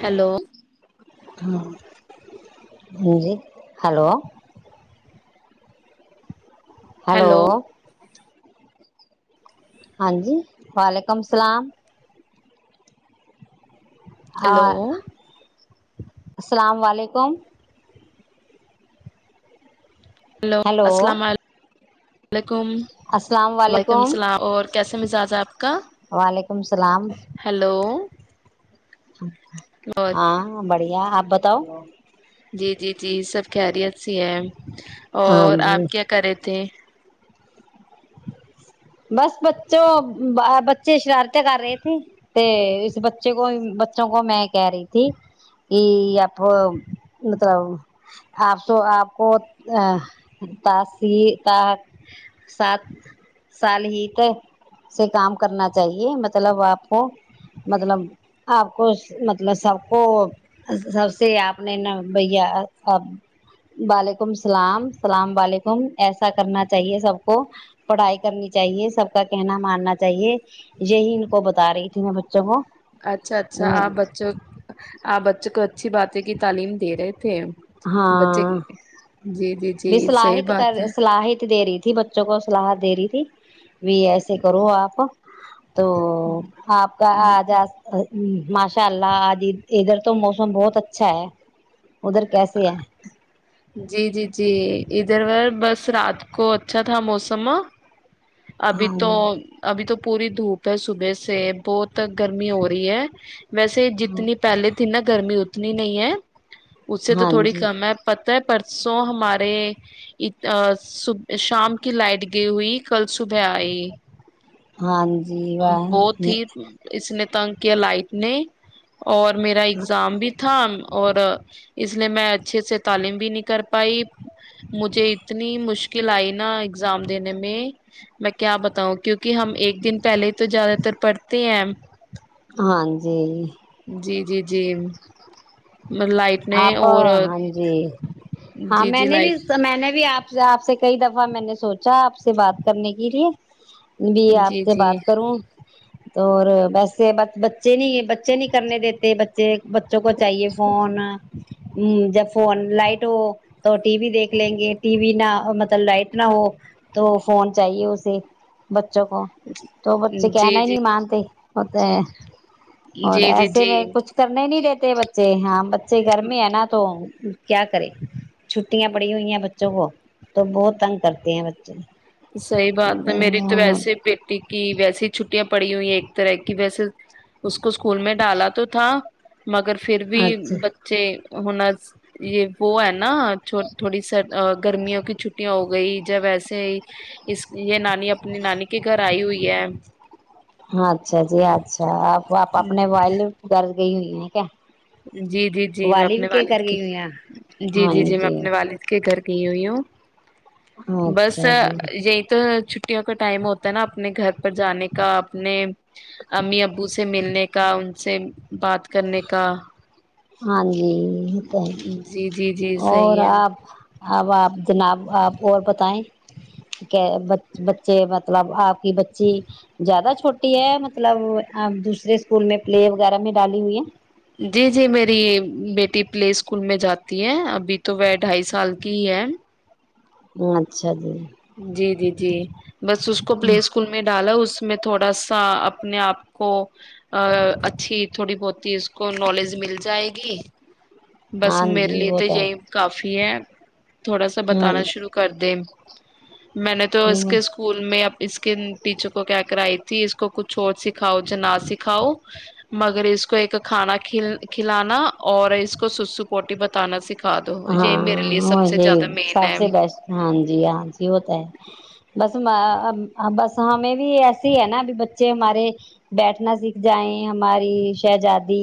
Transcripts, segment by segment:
Hello ہاں جی hello hello hello ہاں جی وعلیکم اللام ہیلو ہاں السلام و علیکم کم ہلو ہیلو السلام علیکم وعلیکم السلام وعلیکم علیکم السلام اور کیسا مزاج ہے آپ کا وعلیکم اللام سلام ہیلو اور ہاں بڑ کیا آپ بتاؤ جی جی جی سب خیریت سی ہے ہاں اور آپ جی کیا کرے تھ [unintelligible] بس بچوں بچے شرارتی کر رہے تھے اس بچے کو بچوں کو میں کہہ رہی تھی کہ آ مطلب آپ آپ کو تا سات سال ہی ت سے کام کرنا چاہیے مطلب آپ کو مطلب آپ کو مطلب سب کو سب سے آپ نے ن بھیا وعلیکم اللام اللام وعلیکم ایسا کرنا چاہیے سب کو پڑھائی کرنی چاہیے سب کا کہنا ماننا چاہیے یہی ان کو بتا رہی تھی میں بچوں کو اچھا اچھا آپ بچوں آپ بچوں کو اچھی بات کی تعلیم دے رہے تھے بچے ہاں جی جی بھی جی صحیح صلاحت کر بات ہے سلاحیت دے رہی تھی بچوں کو صلاحت دے رہی تھی [unintelligible] بھی ایسے کرو آپ تو آپ کا آج ماشاء اللہ آج ادھر تو موسم بہت اچھا ہے ادھر کیسے ہے جی جی جی ادھر بس رات کو اچھا تھا موسم ابھی ہاں تو ابھی تو پوری دھوپ صبح سے بہت گرمی ہو رہی ہے ویسے جتنی پہلے تھی نا گرمی اتنی نہیں ہے اس سے تو ہاں تھوڑی جی کم ہے پ پرسوں ہمارےب شام کی لائٹ گئی ہوئی کل صبح آئی ہاں جی واہ بہت ہی اس نے تنک کہ لائٹ نہیں اور میرا اگزام بھی تھا اور اس لیے میں اچھے سے تعلیم بھی نہیں کر بھائی مجھے اتنی مشکل کلئی نا ایگزام دینے میں میں کیا بتاؤں کیونکہ ہم ایک دن پہلے تو زیادہ تر پڑھتے ہیں ہاں جی جی جی جی لائٹ نے آپ اور ہاں جی ہاں جی میں جی نے بھی لائٹ میں نے بھی آپ آپ سے کئی دفعہ میں نے سوچا آپ سے بات کرنے کے لیے بھی آپ جی سے جی بات کروں تو ویسے بس بچے نہیں بچے نہیں کرنے دیتے بچے بچوں کو چاہیے فون جب فون لائٹ ہو تو ٹی وی دیکھ لیں گے ٹی وی نہ مطلب لائٹ نہ ہو تو فون چاہیے اسے بچوں کو جی تو بچے کہنا جی ہی نہیں مانتے متے اور جی جی ایسے جی میں کچھ کرنے نہیں رہتے بچے جےحام بچے گرمی ہے نا تو کیا کرے چھٹیاں پڑی ہوئی ہیں بچوں کو تو بہت تنگ کرتے ہیں بچے صحی بات ہے میری تو ویسے بیٹی کی ویسیے ہی چھٹیاں پڑی ہوئی ایک طرح کہ ویسے اس کو اسکول میں ڈالا تو تھا مگر پھر بھی اچھا بچے ہونا یہ وہ ہے نا نا تھوڑی س گرمیوں کی چھٹییاں ہو گئی جب ویسے ہی [inaudible] اس یہ نانی اپنی نانی کے گھر آئی ہوئی ہے اچھا جی اچھا آپ آپ اپنے والد گھر گئی ہوئی ہیں کیا جی جی جی میں اپنے کے والد کر کی گئی ہوئی ہیں آپ؟ جی ہاں جی جی میں اپنے والد کے گھر تو اچھا بس جی یہی تو چھٹیوں کا ٹائم ہوتا ہے نا اپنے گھر پر جانے کا اپنے امی ابو سے ملنے کا ان سے بات کرنے کا ہاں جی جی ہوتے جی جی جی ہے اور صحیح آپ ہے آباب جناب آپ اور بتائیں کہ ب بچے مطلب آپ کہ بچی زیادہ چھوٹی مطلب آپ دوسرے اسکول میں پلے وغیرہ میں ڈالی ہوئی ہے جی جی میری بیٹی پلیس اسکول میں جاتی ہے ابھی تو وہ ڈھائی سال کی ہی ہے ہ اچھا جی جی جی جی بس اس کو پلے اسکول میں ڈالا اس میں تھوڑا سا اپنے آپ کو اچھی تھوڑی بہت اس کو نالج مل جائے گی بس ہاں میرے جی لیے وہ تو اجائی ہے کافی ہے تھوڑا سا ہاں بتانا شروع کر دم میں نے تو اس کے اسکول میں اس کے ٹیچر کو کیا کرائی تھی اس کو کچھ اور سکھاؤ ج نہ سکھاؤ مگر اس کو ایک کھانا کھلانا اور اس کو سسو پوٹی بتانا س ہاں وہ یہ مین سب ہے سے بسٹ ہاں جی ہاں ہوتا ہے بس بس ہمیں بھی ایسی ہے نا بھی بچے بچے ہمارے بیٹھنا سیکھ جائیں ہماری شہزادی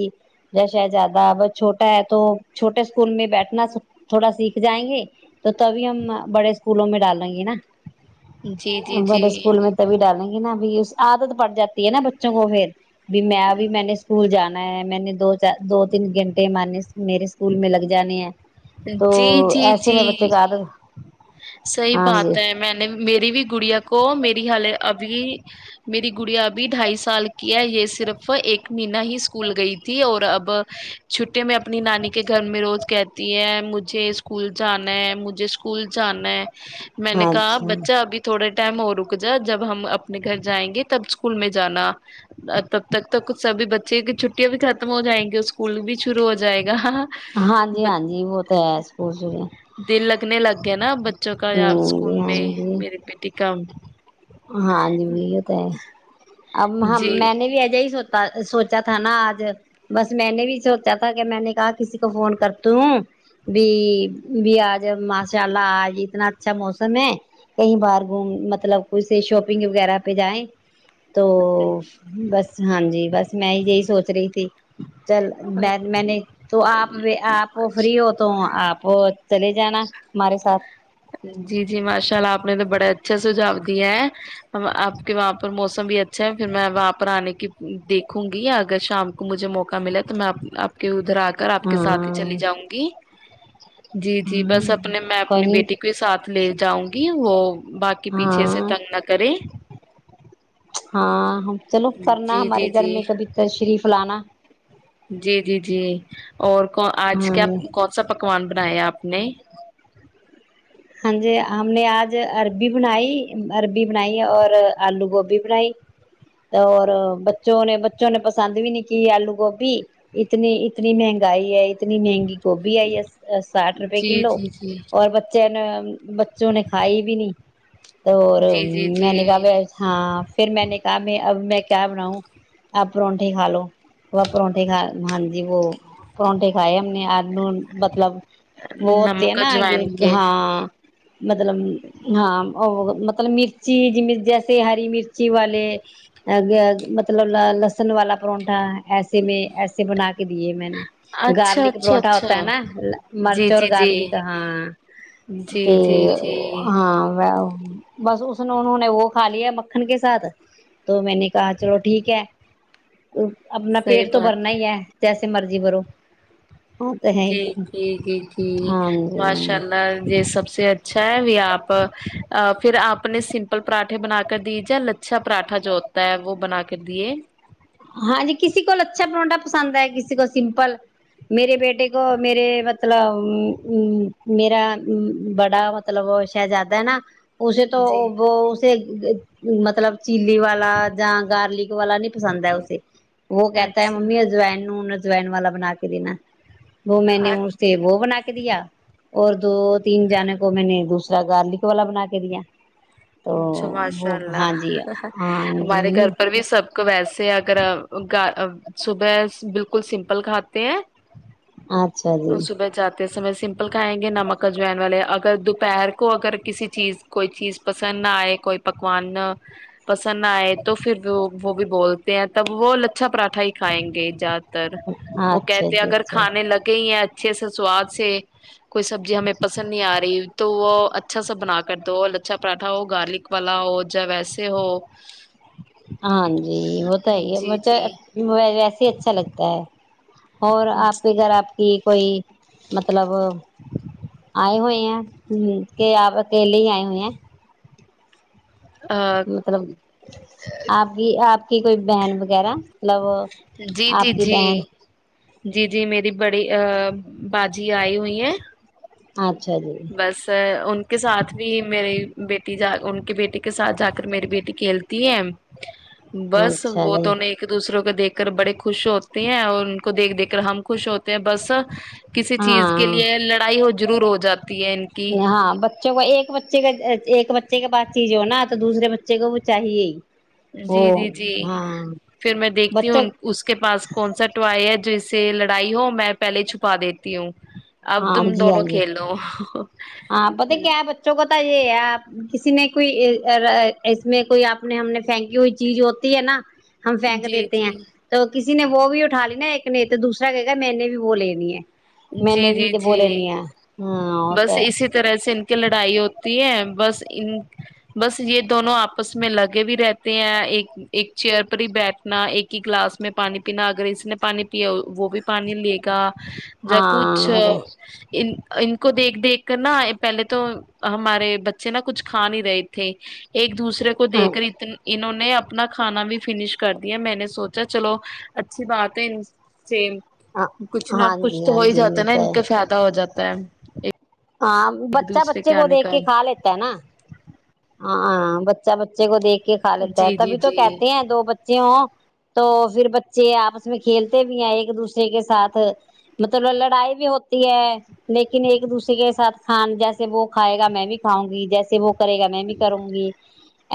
ج شہزادہ بس چھوٹا ہے تو چھوٹے اسکول میں بیٹھ اپنا تھوڑا سیکھ جائیں گے تو تبھی ہم بڑے اسکولوں میں ڈالیں گے نا جی جی بڑے جی اسکول میں تبھی ڈالیں گے نا عادت پڑ جاتی ہے نا بچوں کو پھر بھی میں بھی میں نے سکول جانا میں نے دوار دو تین گھنٹے ماننے میرے اسکول میں لگ جانے ہیں تو ایسے میں بچے کاا د گا صحی بات ہے میں نے میری بھی گڑیا کو میری حالے ابھی میری گڑیا ابھی ڈھائی سال کی ہے یہ صرف ایک مہینہ ہی اسکول گئی تھی اور اب چھٹی میں اپنی نانی کے گھر میں روز کہتی ہے مجھے اسکول جانا ہے مجھے اسکول چاہنا ہے میں نے کہا اچھا بچہ ابھی تھوڑا ٹائم اور رک جا جب ہم اپنے گھر جائیں گے تب اسکول میں جانا تب تک تو کچھ سبھی بچے کی چھٹی چیاں بھی ختم ہو جائیں گی اسکول بھی شروع ہو جائے گا ہاں جی ہاں جی وہ تو ہے سکول چ کہ نا بچوں کا اں اسکول میں میری بیٹی کا ہاں جی بھیو تو ہے اب جی میں نے بھی ایجا یہی سوتا سوچا تھا نا آج بس میں نے بھی سوچا تھا کہ میں نے کہا کسی کو فون کرتا ہوں ب ب آج ماشاء اللہ آج اتنا اچھا موسم ہے کہیں باہر گھوم مطلب اس سے شاپنگ وغیرہ پہ جائیں تو بس ہاں جی بس میں ہی یہی سوچ رہی تھی چل میں میں نے تو آپ آپ فری ہو تو آپ وہ چلے جانا ہمارے ساتھ جی جی ماشاء اللہ آپ نے تو بڑا اچھا سجاؤ دیا آپ کے وہاں پر موسم بھی اچھا ہے پھر میں وہاں پر آنے کی دیکھوں گی اگر شام کو مجھے موقع ملا تو میں آپ کے ادھر آ کر آپ کے سات ہی چلی ہاں جاؤں گی جی جی بس ہاں اپنے میں کوئی اپنی نہیں بیٹی پ لے جاؤں گی وہ باقی پیچھے سے ہاں تنگ نہ کرے ہاں چلو کرنا جی ہمارے جی گھر جی میں کبھی ت شریف لانا جی جی جی اور کو آج ہاں کیا کون سا پکوان بنایا آپ نے ہاں جی ہم نے آج اربی بنائی اربی بنائی اور آلو گوبھی بنائی اور بچوں نے بچوں نے پسند بھی نہیں کی آلو گوبھی اتنی اتنی مہنگائی ہے اتنی مہنگی گوبھی آئی ہے ساٹھ روپئے جی کلو جی جی اور [unintelligible] بچوں نے کھائی بھی نہیں تو جی جی میں نے جی کہا ہاں پھر میں نے کہا میں اب میں کیا بناؤں آپ پرونٹے کا لو وہ پرونٹے کا ہاں جی وہ پرونٹے کھائے آ مطلب وہتے ہے نمک نا آ اجوائن [unintelligible] کے ہاں مطلب ہاں مطلب مرچی جیسے ہری مرچی والے مطلب لسن والا پرونٹھا ایسے میں ایسے بنا کے دیے میں نے اچھا گارلک اچھا پرونٹھا اچھا ہوتا ہے نا مرچ جی اور جی جی گارلک ہاں پ جی جی جی ہاں بس اس نے انہوں نے وہ کھا ل ہے مکھن کے ساتھ تو میں نے کہا چلو ٹھیک ہے اپنا صحیح پیٹ تو برنا بات ہی ہے [unintelligible] جیسے مرضی برو جی جی جی جی ہاں ماشاء جی اللہ یہ سب سے اچھا ہے آپ پھر آپ نے سمپل پراٹھے بنا کر دی جا لچھا پراٹھا جو ہوتا ہے وہ بنا کر دیے ہاں جی کسی کول اچھا پروھا پسند ہے کسی کو سمپل میرے بیٹے کو میرے مطلب میرا بڑا مطلب شہزادہ ہے نا اسے تو جی وہ [unintelligible] مطلب چیلی والا گارلک والا نہیں پسند وہ کہتا ہے ممی اچھا ازوائن ائن والا بنا کے دینا وہ میں نے اس سے وہ بنا کے دیا اورور دو تین جانے کو میں نے دو را گارلک والا بنا کے دیا تو اچھا ماشاء وہ اللہ ہاں جی ہاں ہمارے جی گھر پر بھی سب کو ویسے اگر صبح بالکل سمپل کھاتے ہیں اچھا جی صبح جاتے سمے سمپل کھائیں گے نمک اجوائن والے اگر دوپہر کو اگر کسی چیز کوئی چیز پسند نہ آئے کوئی پکوان پسند نہ آئے تو پھر وہ وہ بھی بولتے ہیں تب وہ لچھا پراٹھا ہی کھائیں گے زیادہ تر وہ اچھا کہتے جی اگر اچھا کھانے لگے یا اچھے سے سواد سے کوئی سبزی ہمیں پسند نہیں آ رہی تو وہ اچھا سا بنا کر دو اچھا پراٹھا ہو گارلک والا ہو جب ویسے ہو ہاں جی وہ تو ہے ہی ہے جی جی م وسے ا سے اچھا لگتا ہے اور آپ کے ا گھر آپ کی کوئی نہ مطلب آئے ہوئے ہیں ہ کہ آپ اکیلے ہی آئے ہوئے ہیں آ، مطلب آپ کی آپ کی کوئی بہن وغیرہ مطلب جی جی آپ کی جی بہن جی جی میری بڑی بجی آئی ہوئی ہے ج بس ان کے ساتھ بھی میری بیٹی جا بیٹیے کے ساتھ جا کر میری بیٹی کھیلتی ہے بس اچھا وہ جی تو نہیں ایک دوسرے کو دیکھ کر بڑے خوش ہوتے ہیں اور ان کو دیکھ دیکھ کر ہم خوش ہوتے ہیں بس کسی چیز کے ہاں لیے لڑائی ہو ضرور ہو جاتی ہے ان کی ہاں بچوں کا ایک بچے کا ایک بچے کے بات چیز ہو نا تو دوسرے بچے کو وہ چاہیے ہی وہ جی جی جی ہاں پھر میں دیکھتی بچوں ہوں اس کے پاس کون سا ٹوائی ہے جو سے لڑائی ہو میں پہلے چھپا دیتی ہوں ہاں ابدم جی ہاں دونوں جی کھیلو ہاں پت کیا بچوں کا تھا یہ ہےپ کسی نے کوئی اس میں کوئی آپ نے ہم نے پھینکی ہوئی چیز ہوتی ہے نا ہم پھینک جی دیتے جی ہیں تو کسی نے وہ بھی اٹھا لی نا ایک نے تو دوسرا کہ گا میر نے بھی وہ لینی ہے میں جی نے جی بھی تو بول جی لیا بس اسی طرح سے ان کی لڑائی ہو بس ان بس یہ دونوں آپس میں لگے بھی رہتے ہیں ایک ایک چیئر پر ہی بیٹھنا ایک ہی گلاس میں پانی پینا اگر اس نے پانی پیا وہ بھی پانی لے گا ج کچھ ہاں ان ا کو دیکھ دیکھ کر نا پہلے تو ہمارے بچے نا کچھ کھا نہیں رہے تھے ایک دوسرے کو دے کر ہاں انہوں نے اپ اپنا کھانا بھی فنش کر دیا میں نے سوچا چلو اچھی بات ہے ان سے کچھ نہ ہاں کچھ جی تو ہاں ہو ہی جی جاتا نا ہوتا ان ہے کے فائدہ ہو جاتا تا ایک ہاں بچہ بچے کو دیکھ کا کے کھا لیتا ہے نا ہاں بچہ بچے کو دیکھ کا لیتا ہے جی جی تبھی تو جی کہتے ہیں دو بچے ہو تو پھر بچے آپس میں کھیلتے بھی ہیں ایک دوسرے کے ساتھ مطلب لڑائی بھی ہوتی ہے لیکن ایک دوسرے کے ساتھ کھان جیسے وہ کھائے گا میں بھی کاؤں گی جیسے وہ کرے بھی کروں گی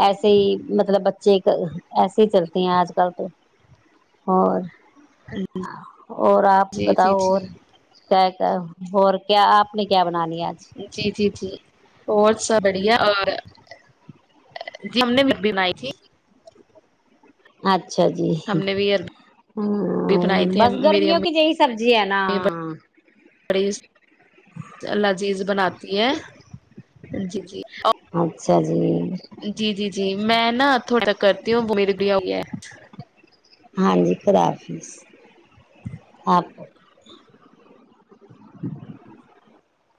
ایسے ہی مطلب بچ ب ایسے ہی چلتی ہیں آج کل تو اور اور آپ جی جی بتاؤ اور جی کیا کیا ہو کیا آپ نے کیا بنانی جی جی جی بت سب بڑھیا اور جی ہم نے بھی بنئی تی اچھا اچھا جی ہم ہ نے بھی عربی بنائی تھی بس میری گرمیوں کی امی جی سبزی ہے نا ہ بڑی لذیذ بناتی ہے جی جی اچھا جی جی جی جی میں نا تھوڑے کرتی ہوں وہ میرے بھییا ہو ہے ہاں جی خدا حافظ آپ